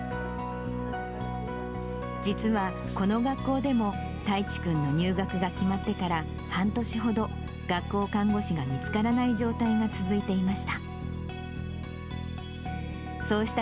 実はこの学校でも、大知君の入学が決まってから半年ほど、学校看護師が見つからない状態が続いていました。